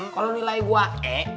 kalau nilai gue e